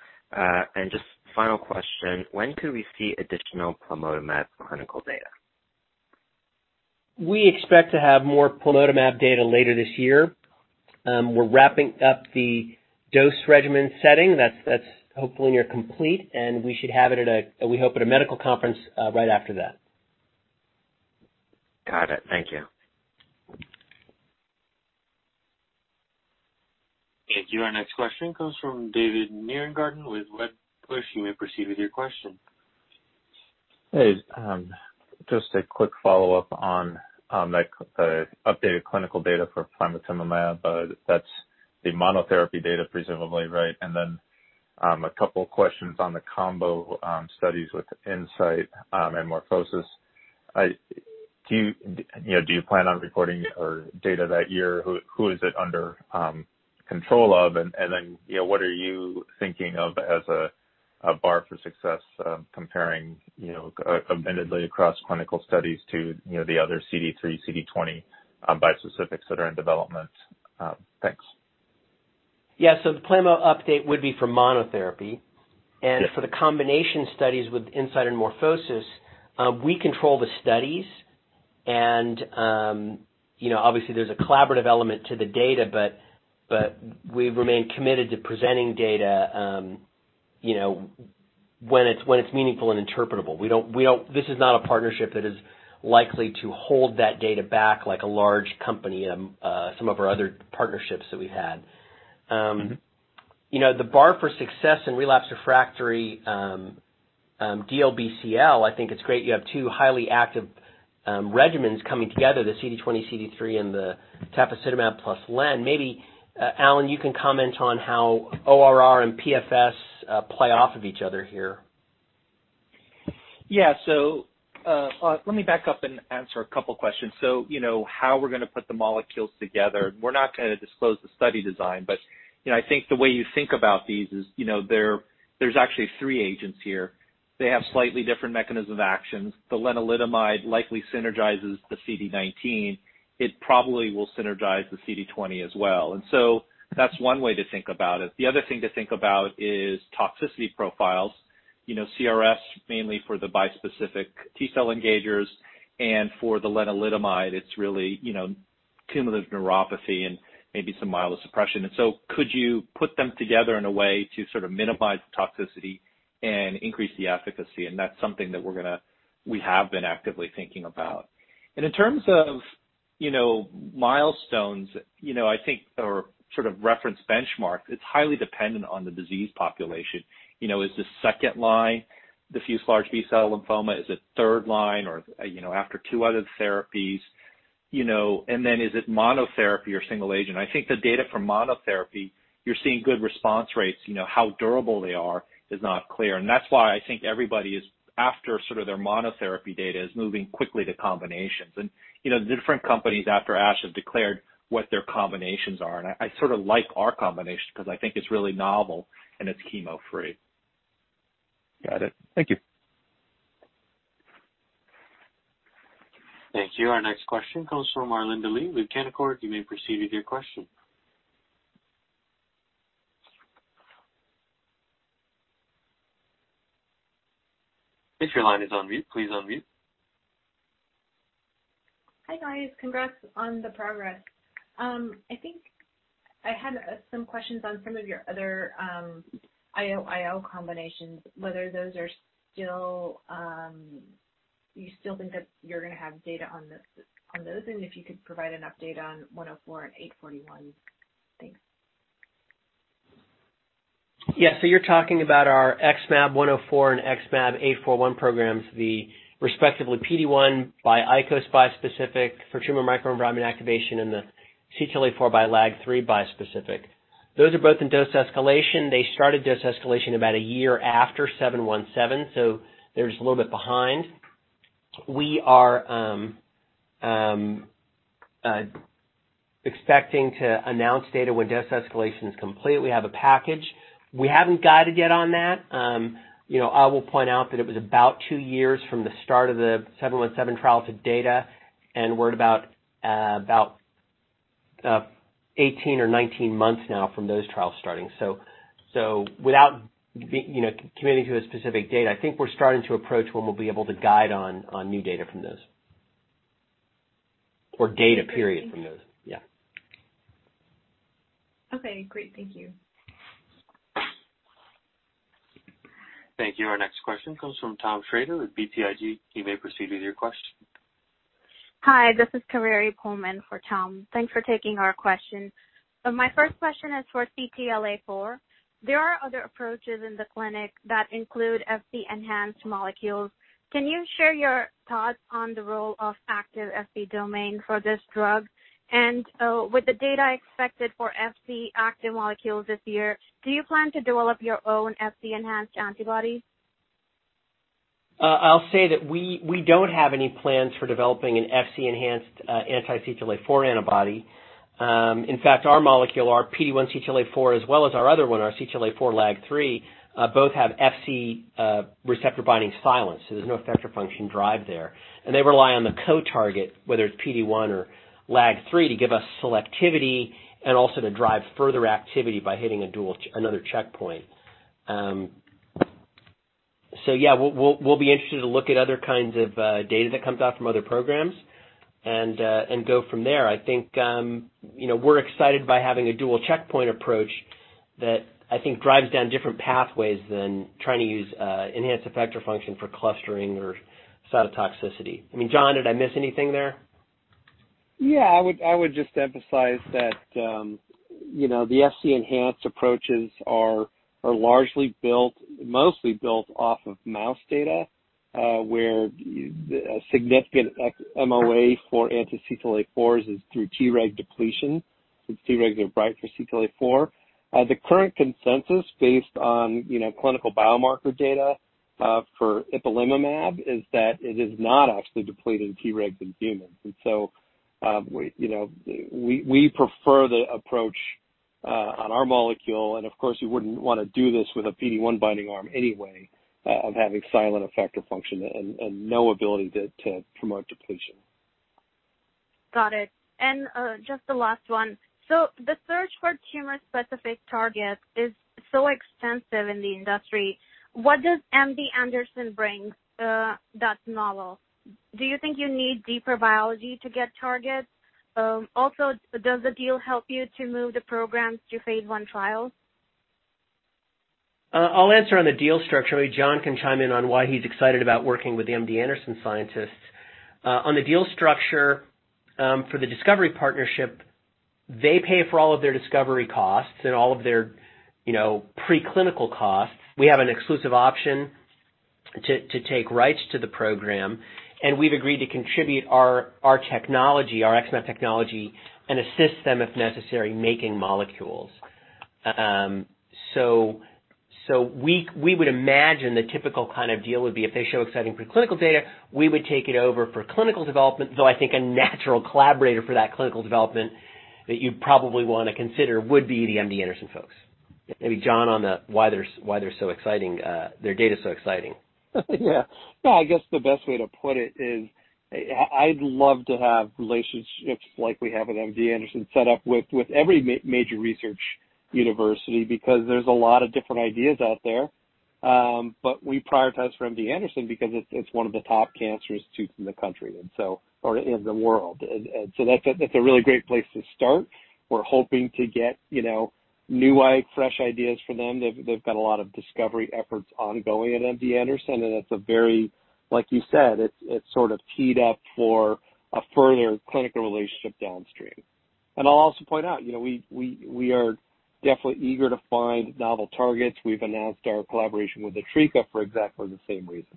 Just final question, when could we see additional plamotamab clinical data? We expect to have more plamotamab data later this year. We're wrapping up the dose regimen setting. That's hopefully near complete. We should have it at, we hope, at a medical conference right after that. Got it. Thank you. Thank you. Our next question comes from David Nierengarten with Wedbush. You may proceed with your question. Hey, just a quick follow-up on that updated clinical data for plamotamab. That's the monotherapy data presumably, right? A couple questions on the combo studies with Incyte and MorphoSys. Do you plan on reporting data that year? Who is it under control of, what are you thinking of as a bar for success comparing amendedly across clinical studies to the other CD3, CD20 bispecifics that are in development? Thanks. Yeah. The plamo update would be for monotherapy. For the combination studies with Incyte and MorphoSys, we control the studies and obviously there's a collaborative element to the data. We remain committed to presenting data when it's meaningful and interpretable. This is not a partnership that is likely to hold that data back like a large company and some of our other partnerships that we had. The bar for success in relapse refractory DLBCL, I think it's great you have two highly active regimens coming together, the CD20, CD3, and the tafasitamab plus len. Maybe, Allen, you can comment on how ORR and PFS play off of each other here? Let me back up and answer a couple questions. How we're going to put the molecules together, we're not going to disclose the study design, but I think the way you think about these is there's actually three agents here. They have slightly different mechanism of actions. The lenalidomide likely synergizes the CD19. It probably will synergize the CD20 as well. That's one way to think about it. The other thing to think about is toxicity profiles. CRS mainly for the bispecific T-cell engagers, and for the lenalidomide, it's really cumulative neuropathy and maybe some myelosuppression. Could you put them together in a way to sort of minimize the toxicity and increase the efficacy? That's something that we have been actively thinking about. In terms of milestones, I think, or sort of reference benchmark, it's highly dependent on the disease population. Is this second-line diffuse large B-cell lymphoma? Is it third-line or after two other therapies? Is it monotherapy or single agent? I think the data from monotherapy, you're seeing good response rates. How durable they are is not clear. That's why I think everybody is after sort of their monotherapy data is moving quickly to combinations. The different companies after ASH have declared what their combinations are. I sort of like our combination because I think it's really novel and it's chemo-free. Got it. Thank you. Thank you. Our next question comes from Arlinda Lee with Canaccord. You may proceed with your question. If your line is on mute, please unmute. Hi, guys. Congrats on the progress. I think I had some questions on some of your other IO-IO combinations, whether you still think that you're going to have data on those, and if you could provide an update on 104 and 841? Thanks. Yeah. You're talking about our XmAb104 and XmAb841 programs, the respectively PD-1 by ICOS bispecific for tumor microenvironment activation and the CTLA-4 by LAG-3 bispecific. Those are both in dose escalation. They started dose escalation about a year after 717, so they're just a little bit behind. We are expecting to announce data when dose escalation is complete. We have a package. We haven't guided yet on that. I will point out that it was about two years from the start of the 717 trial to data, and we're at about 18 or 19 months now from those trials starting. Without committing to a specific date, I think we're starting to approach when we'll be able to guide on new data from those, or data period from those. Okay, great. Thank you. Thank you. Our next question comes from Tom Schroeder with BTIG. You may proceed with your question. Hi, this is Kaveri Pohlman for Tom. Thanks for taking our question. My first question is for CTLA-4. There are other approaches in the clinic that include Fc enhanced molecules. Can you share your thoughts on the role of active Fc domain for this drug? With the data expected for Fc active molecules this year, do you plan to develop your own Fc enhanced antibody? I'll say that we don't have any plans for developing an Fc enhanced anti-CTLA-4 antibody. In fact, our molecule, our PD-1 CTLA-4, as well as our other one, our CTLA-4 LAG-3, both have Fc receptor binding silence, so there's no effector function drive there. They rely on the co-target, whether it's PD-1 or LAG-3, to give us selectivity and also to drive further activity by hitting another checkpoint. Yeah, we'll be interested to look at other kinds of data that comes out from other programs and go from there. I think we're excited by having a dual checkpoint approach that I think drives down different pathways than trying to use enhanced effector function for clustering or cytotoxicity. John, did I miss anything there? Yeah, I would just emphasize that the Fc enhanced approaches are mostly built off of mouse data, where a significant MOA for anti-CTLA-4s is through Treg depletion, since Tregs are bright for CTLA-4. The current consensus based on clinical biomarker data for ipilimumab is that it is not actually depleting Tregs in humans. We prefer the approach on our molecule. Of course, you wouldn't want to do this with a PD-1 binding arm anyway of having silent effector function and no ability to promote depletion. Got it. Just the last one. The search for tumor-specific targets is so extensive in the industry. What does MD Anderson bring that's novel? Do you think you need deeper biology to get targets? Does the deal help you to move the programs to phase I trials? I'll answer on the deal structure. Maybe John can chime in on why he's excited about working with MD Anderson scientists. On the deal structure for the discovery partnership, they pay for all of their discovery costs and all of their preclinical costs. We have an exclusive option to take rights to the program. We've agreed to contribute our XmAb technology and assist them, if necessary, making molecules. We would imagine the typical kind of deal would be if they show exciting preclinical data, we would take it over for clinical development, though I think a natural collaborator for that clinical development that you'd probably want to consider would be the MD Anderson folks. Maybe John, on why their data's so exciting. Yeah. I guess the best way to put it is, I'd love to have relationships like we have with MD Anderson set up with every major research university, because there's a lot of different ideas out there. We prioritize for MD Anderson because it's one of the top cancer institutes in the country, or in the world. That's a really great place to start. We're hoping to get new eye, fresh ideas from them. They've got a lot of discovery efforts ongoing at MD Anderson, and it's a very, like you said, it's sort of teed up for a further clinical relationship downstream. I'll also point out, we are definitely eager to find novel targets. We've announced our collaboration with Atreca for exactly the same reason.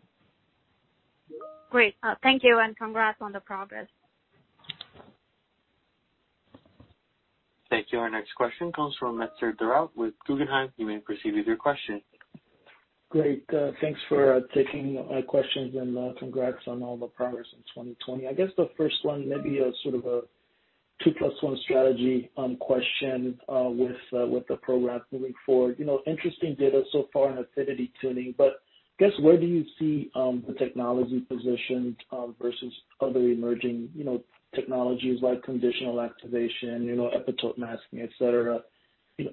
Great. Thank you. Congrats on the progress. Thank you. Our next question comes from Etzer Darout with Guggenheim. You may proceed with your question. Great. Thanks for taking my questions and congrats on all the progress in 2020. I guess the first one may be a sort of a 2 + 1 strategy question with the program moving forward. Interesting data so far in avidity tuning, I guess, where do you see the technology positioned versus other emerging technologies like conditional activation, epitope masking, et cetera,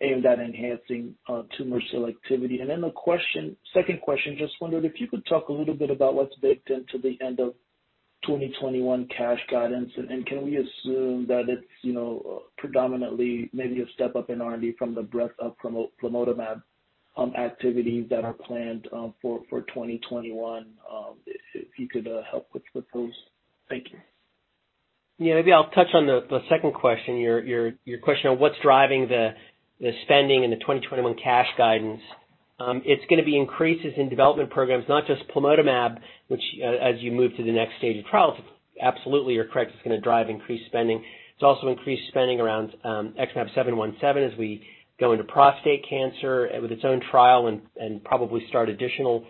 aimed at enhancing tumor selectivity? The second question, just wondered if you could talk a little bit about what's baked into the end of 2021 cash guidance, and can we assume that it's predominantly maybe a step up in R&D from the breadth of plamotamab activities that are planned for 2021? If you could help with those. Thank you. Yeah, maybe I'll touch on the second question, your question on what's driving the spending in the 2021 cash guidance. It's going to be increases in development programs, not just plamotamab, which, as you move to the next stage of trials, absolutely, you're correct, it's going to drive increased spending. It's also increased spending around XmAb717 as we go into prostate cancer with its own trial and probably start additional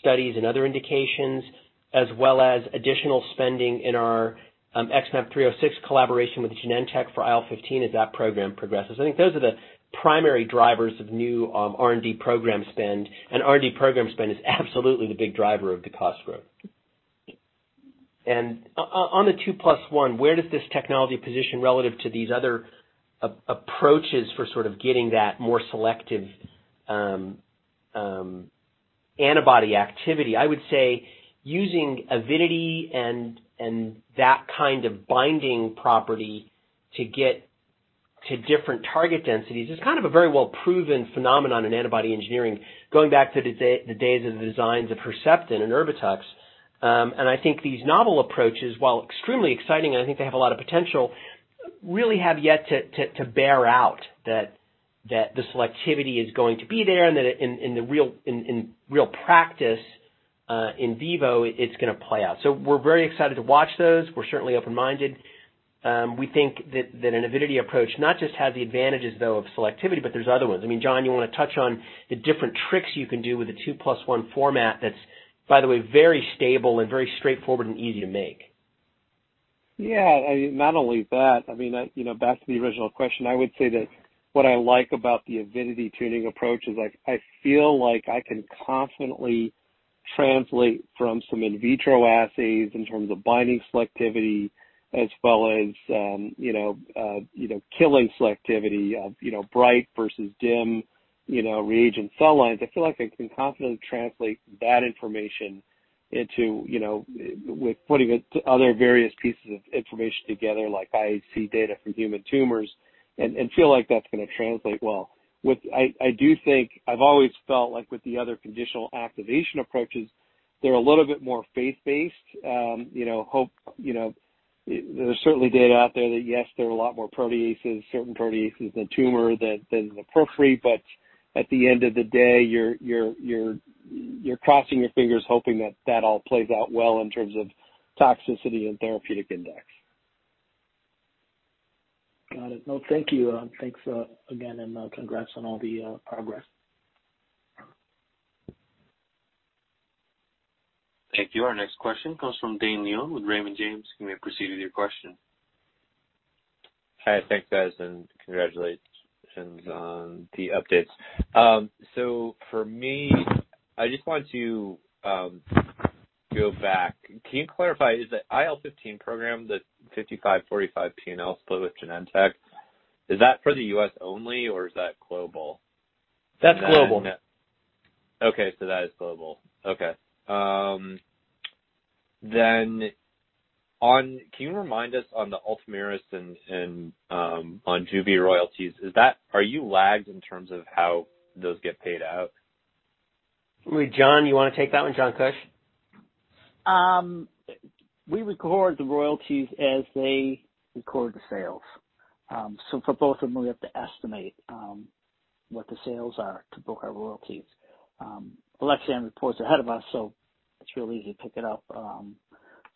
studies and other indications, as well as additional spending in our XmAb306 collaboration with Genentech for IL-15 as that program progresses. I think those are the primary drivers of new R&D program spend, R&D program spend is absolutely the big driver of the cost growth. on the 2 + 1, where does this technology position relative to these other approaches for sort of getting that more selective antibody activity? I would say using avidity and that kind of binding property to get to different target densities is kind of a very well proven phenomenon in antibody engineering, going back to the days of the designs of Herceptin and Erbitux. I think these novel approaches, while extremely exciting, and I think they have a lot of potential, really have yet to bear out that the selectivity is going to be there, and that in real practice, in vivo, it's going to play out. We're very excited to watch those. We're certainly open-minded. We think that an avidity approach not just has the advantages, though, of selectivity, but there's other ones. John, you want to touch on the different tricks you can do with a 2 + 1 format that's, by the way, very stable and very straightforward and easy to make? Not only that, back to the original question, I would say that what I like about the avidity tuning approach is I feel like I can confidently translate from some in vitro assays in terms of binding selectivity as well as killing selectivity of bright versus dim reagent cell lines. I feel like I can confidently translate that information with putting it to other various pieces of information together, like IHC data from human tumors, and feel like that's going to translate well. I've always felt like with the other conditional activation approaches, they're a little bit more faith-based. There's certainly data out there that, yes, there are a lot more proteases, certain proteases in the tumor than the periphery, but at the end of the day, you're crossing your fingers hoping that that all plays out well in terms of toxicity and therapeutic index. Got it. Well, thank you. Thanks again, and congrats on all the progress. Thank you. Our next question comes from Dane Leone with Raymond James. You may proceed with your question. Hi, thanks guys, congratulations on the updates. For me, I just want to go back. Can you clarify, is the IL-15 program, the 55/45 P&L split with Genentech, is that for the U.S. only or is that global? That's global. Okay, that is global. Okay. Can you remind us on the ULTOMIRIS and JUVI royalties, are you lagged in terms of how those get paid out? John, you want to take that one, John Kuch? We record the royalties as they record the sales. For both of them, we have to estimate what the sales are to book our royalties. Alexion reports ahead of us, so it's real easy to pick it up.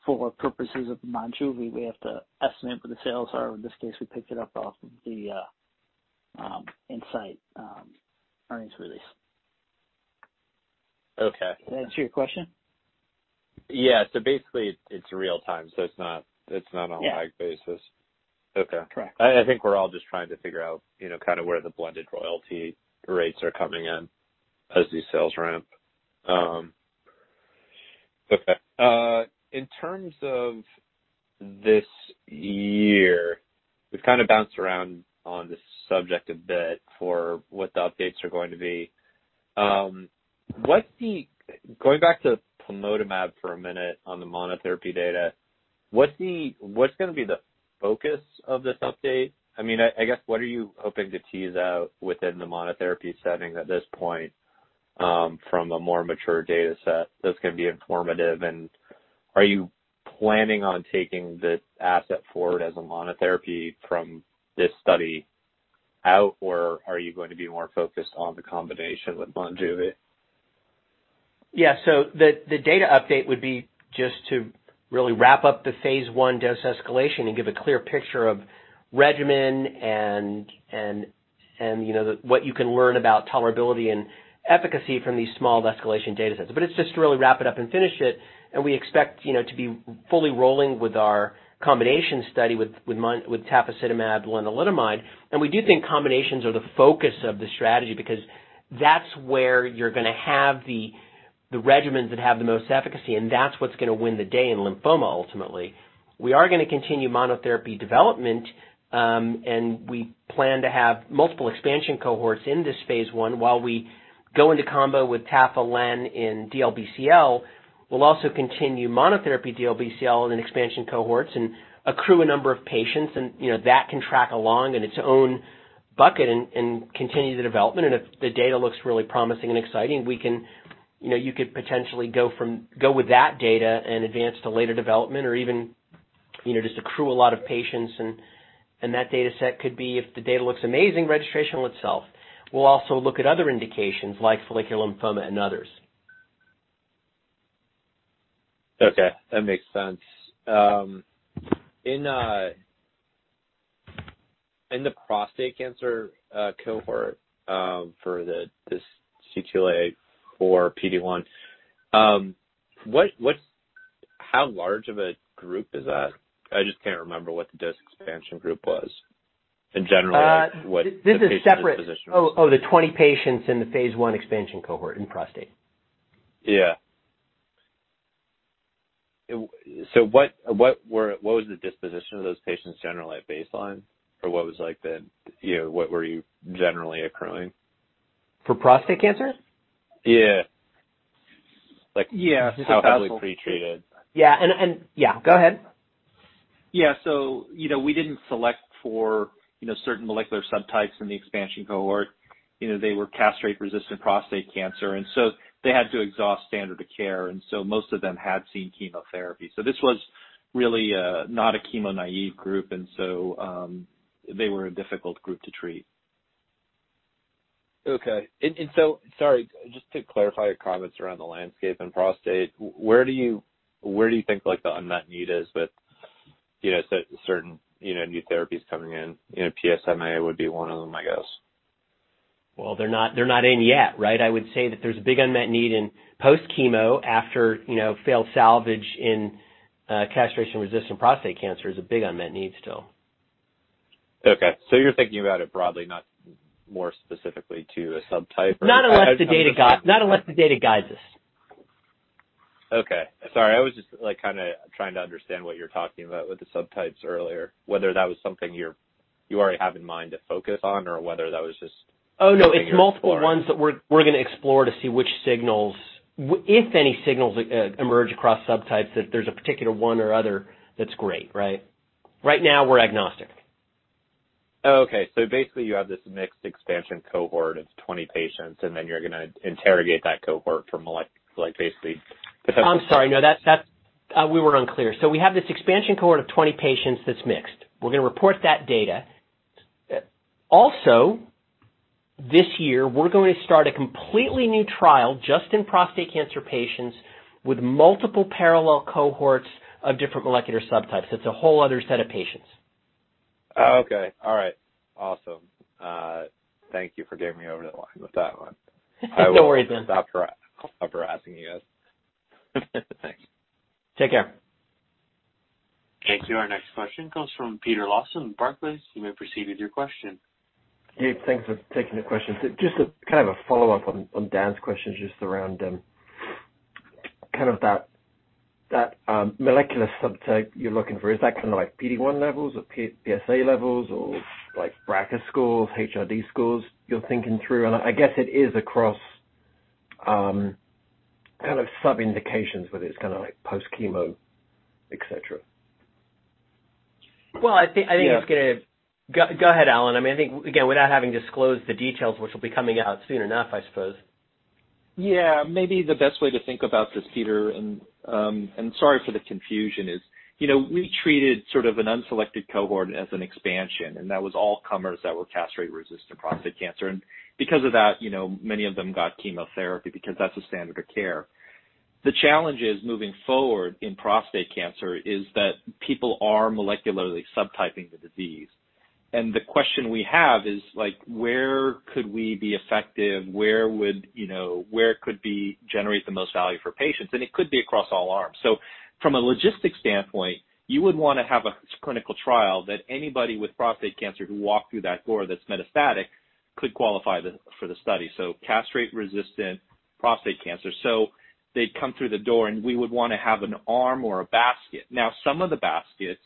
For purposes of MONJUVI, we have to estimate what the sales are. In this case, we picked it up off of the Incyte earnings release. Okay. Does that answer your question? Yeah. Basically, it's real-time, so it's not on lag basis. Okay. Correct. I think we're all just trying to figure out where the blended royalty rates are coming in as these sales ramp. Okay. In terms of this year, we've kind of bounced around on this subject a bit for what the updates are going to be. Going back to plamotamab for a minute on the monotherapy data, what's going to be the focus of this update? I guess, what are you hoping to tease out within the monotherapy setting at this point from a more mature data set that's going to be informative? Are you planning on taking this asset forward as a monotherapy from this study out, or are you going to be more focused on the combination with MONJUVI? Yeah. The data update would be just to really wrap up the phase I dose escalation and give a clear picture of regimen and what you can learn about tolerability and efficacy from these small escalation data sets. It's just to really wrap it up and finish it, and we expect to be fully rolling with our combination study with tafasitamab lenalidomide. We do think combinations are the focus of the strategy, because that's where you're going to have the regimens that have the most efficacy, and that's what's going to win the day in lymphoma ultimately. We are going to continue monotherapy development, and we plan to have multiple expansion cohorts in this phase I while we go into combo with tafa-len in DLBCL. We'll also continue monotherapy DLBCL in expansion cohorts and accrue a number of patients, and that can track along in its own bucket and continue the development. If the data looks really promising and exciting, you could potentially go with that data and advance to later development or even just accrue a lot of patients, and that data set could be, if the data looks amazing, registrational itself. We'll also look at other indications like follicular lymphoma and others. Okay. That makes sense. In the prostate cancer cohort for this CTLA-4 PD-1, how large of a group is that? I just can't remember what the dose expansion group was in general, what the patient disposition was. This is separate. Oh, the 20 patients in the phase I expansion cohort in prostate. Yeah. What was the disposition of those patients generally at baseline, or what were you generally accruing? For prostate cancer? Yeah. Yeah. This is Allen. How quickly pre-treated? Yeah. Yeah. Go ahead. Yeah. We didn't select for certain molecular subtypes in the expansion cohort. They were castrate-resistant prostate cancer, they had to exhaust standard of care. Most of them had seen chemotherapy, this was really not a chemo naive group. They were a difficult group to treat. Okay. Sorry, just to clarify your comments around the landscape and prostate, where do you think the unmet need is with certain new therapies coming in? PSMA would be one of them, I guess. Well, they're not in yet, right? I would say that there's a big unmet need in post-chemo after failed salvage in castration-resistant prostate cancer is a big unmet need still. Okay. You're thinking about it broadly, not more specifically to a subtype or? Not unless the data guides us. Okay. Sorry, I was just trying to understand what you were talking about with the subtypes earlier, whether that was something you already have in mind to focus on or whether that was just something you're exploring. Oh, no, it's multiple ones that we're going to explore to see which signals, if any signals emerge across subtypes, if there's a particular one or other that's great, right? Right now we're agnostic. Oh, okay. Basically you have this mixed expansion cohort of 20 patients. You're going to interrogate that cohort for like base lead. I'm sorry. No, we were unclear. We have this expansion cohort of 20 patients that's mixed. We're going to report that data. Also, this year, we're going to start a completely new trial just in prostate cancer patients with multiple parallel cohorts of different molecular subtypes. It's a whole other set of patients. Okay. All right. Awesome. Thank you for getting me over the line with that one. No worries then. I will stop harassing you guys. Thanks. Take care. Thank you. Our next question comes from Peter Lawson, Barclays. You may proceed with your question. Yeah. Thanks for taking the question. Just a follow-up on Dane's questions just around that molecular subtype you're looking for, is that kind of like PD-1 levels or PSA levels, or like BRCA scores, HRD scores you're thinking through? I guess it is across kind of sub-indications, whether it's post-chemo, et cetera. Well, Go ahead, Allen. I think, again, without having disclosed the details, which will be coming out soon enough, I suppose. Yeah. Maybe the best way to think about this, Peter, and sorry for the confusion, is we treated sort of an unselected cohort as an expansion, and that was all comers that were castrate-resistant prostate cancer. Because of that, many of them got chemotherapy because that's a standard of care. The challenge is moving forward in prostate cancer is that people are molecularly subtyping the disease. The question we have is, where could we be effective? Where could we generate the most value for patients? It could be across all arms. From a logistics standpoint, you would want to have a clinical trial that anybody with prostate cancer who walked through that door that's metastatic could qualify for the study. Castrate-resistant prostate cancer. They'd come through the door, and we would want to have an arm or a basket. Some of the baskets,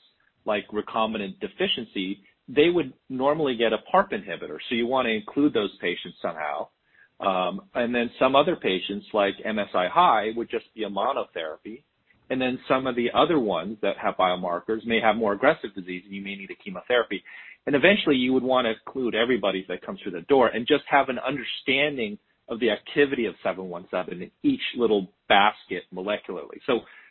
like recombinant deficiency, they would normally get a PARP inhibitor. You want to include those patients somehow. Some other patients, like MSI-high, would just be a monotherapy. Some of the other ones that have biomarkers may have more aggressive disease, and you may need a chemotherapy. Eventually you would want to include everybody that comes through the door and just have an understanding of the activity of 717 in each little basket molecularly.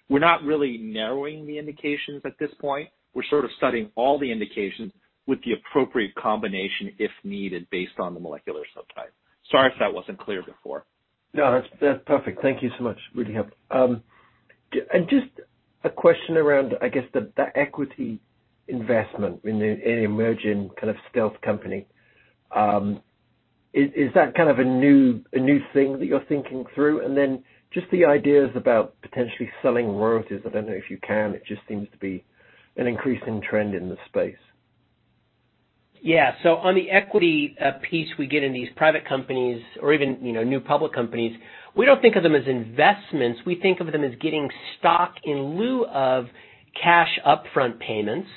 We're not really narrowing the indications at this point. We're sort of studying all the indications with the appropriate combination if needed based on the molecular subtype. Sorry if that wasn't clear before. No, that's perfect. Thank you so much. Really helpful. Just a question around, I guess, the equity investment in an emerging stealth company. Is that a new thing that you're thinking through? Just the ideas about potentially selling royalties. I don't know if you can. It just seems to be an increasing trend in the space. Yeah. On the equity piece we get in these private companies or even new public companies, we don't think of them as investments. We think of them as getting stock in lieu of cash upfront payments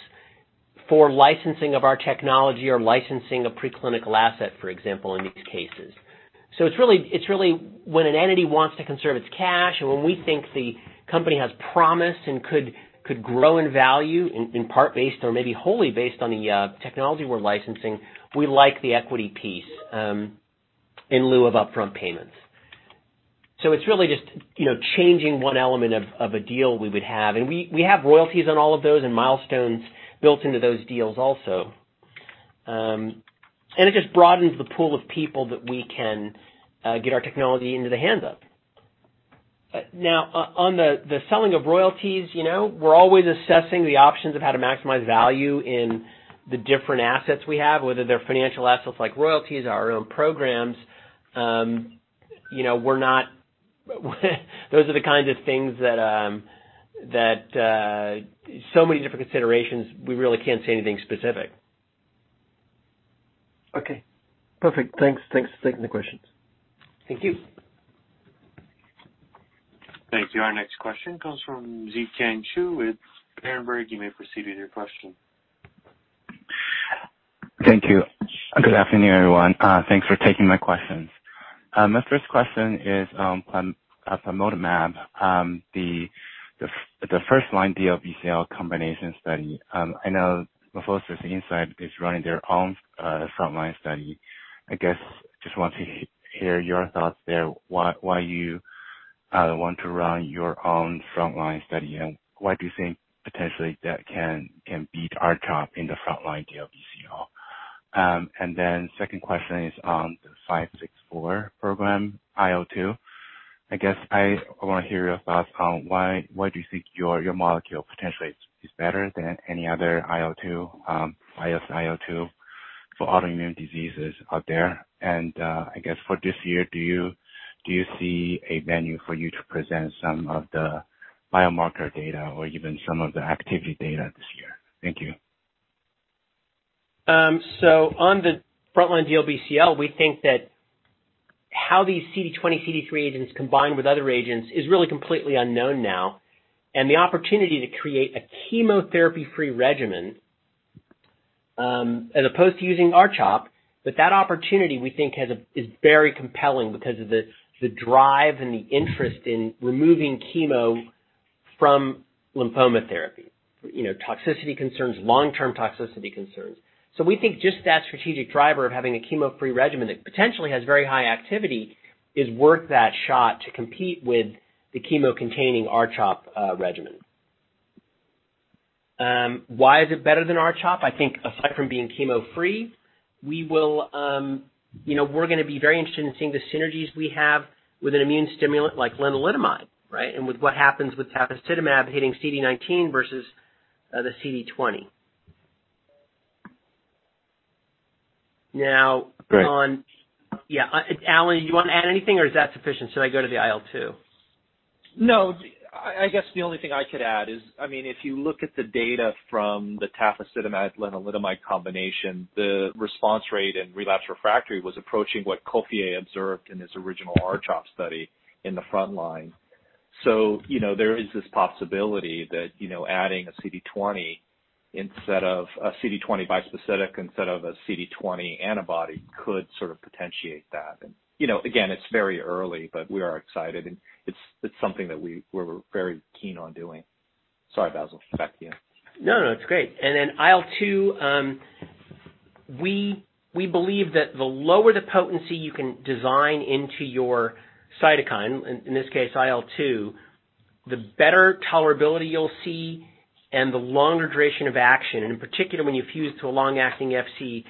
for licensing of our technology or licensing a preclinical asset, for example, in these cases. It's really when an entity wants to conserve its cash and when we think the company has promise and could grow in value, in part based or maybe wholly based on the technology we're licensing, we like the equity piece in lieu of upfront payments. It's really just changing one element of a deal we would have, and we have royalties on all of those and milestones built into those deals also. It just broadens the pool of people that we can get our technology into the hands of. On the selling of royalties, we're always assessing the options of how to maximize value in the different assets we have, whether they're financial assets like royalties or our own programs. Those are the kinds of things that so many different considerations, we really can't say anything specific. Okay. Perfect. Thanks for taking the questions. Thank you. Thank you. Our next question comes from Zhiqiang Shu with Berenberg. You may proceed with your question. Thank you. Good afternoon, everyone. Thanks for taking my questions. My first question is on plamotamab, the first-line DLBCL combination study. I know MorphoSys is running their own front line study. I guess, just want to hear your thoughts there, why you want to run your own front-line study, and why do you think potentially that can beat R-CHOP in the frontline DLBCL? Second question is on the 564 program, IL-2. I guess I want to hear your thoughts on why do you think your molecule potentially is better than any other IL-2 for autoimmune diseases out there? I guess for this year, do you see a venue for you to present some of the biomarker data or even some of the activity data this year? Thank you. On the frontline DLBCL, we think that how these CD20, CD3 agents combine with other agents is really completely unknown now. The opportunity to create a chemotherapy-free regimen, as opposed to using R-CHOP, but that opportunity, we think is very compelling because of the drive and the interest in removing chemo from lymphoma therapy. Toxicity concerns, long-term toxicity concerns. We think just that strategic driver of having a chemo-free regimen that potentially has very high activity is worth that shot to compete with the chemo-containing R-CHOP regimen. Why is it better than R-CHOP? I think aside from being chemo-free, we're going to be very interested in seeing the synergies we have with an immune stimulant like lenalidomide, right? With what happens with tafasitamab hitting CD19 versus the CD20. Great. Yeah. Allen, you want to add anything or is that sufficient? Should I go to the IL-2? No. I guess the only thing I could add is, if you look at the data from the tafasitamab lenalidomide combination, the response rate in relapse refractory was approaching what Coiffier observed in his original R-CHOP study in the front line. There is this possibility that adding a CD20 bispecific instead of a CD20 antibody could sort of potentiate that. Again, it's very early, but we are excited, and it's something that we're very keen on doing. Sorry, Bassil. Back to you. No, it's great. IL-2, we believe that the lower the potency you can design into your cytokine, in this case IL-2, the better tolerability you'll see and the longer duration of action, and in particular, when you fuse to a long-acting Fc,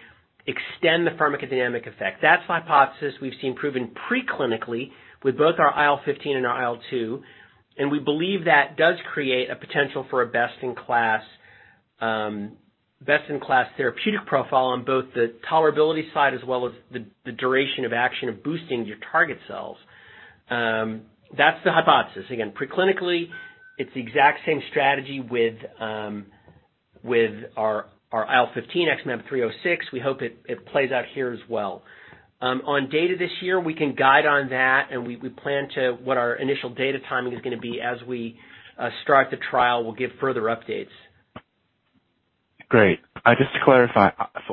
extend the pharmacodynamic effect. That's the hypothesis we've seen proven preclinically with both our IL-15 and our IL-2, and we believe that does create a potential for a best-in-class therapeutic profile on both the tolerability side as well as the duration of action of boosting your target cells. That's the hypothesis. Again, preclinically, it's the exact same strategy with our IL-15 XmAb306. We hope it plays out here as well. On data this year, we can guide on that, and we plan to what our initial data timing is going to be as we start the trial. We'll give further updates. Great. Just to clarify,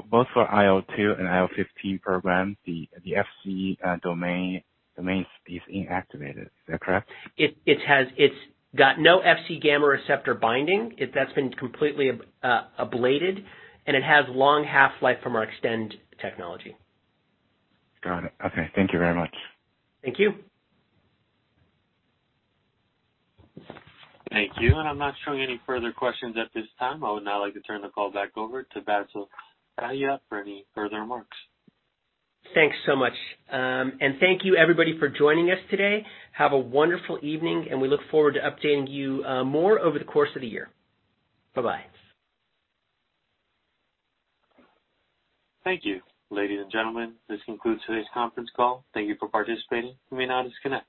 both for IL-2 and IL-15 program, the Fc domain is inactivated. Is that correct? It's got no Fc gamma receptor binding. That's been completely ablated, and it has long half-life from our Xtend technology. Got it. Okay. Thank you very much. Thank you. Thank you. I'm not showing any further questions at this time. I would now like to turn the call back over to Bassil Dahiyat for any further remarks. Thanks so much. Thank you everybody for joining us today. Have a wonderful evening, and we look forward to updating you more over the course of the year. Bye-bye. Thank you. Ladies and gentlemen, this concludes today's conference call. Thank you for participating. You may now disconnect.